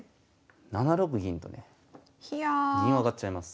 ７六銀とね銀を上がっちゃいます。